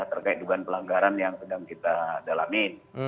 terkait dugaan pelanggaran yang sedang kita dalamin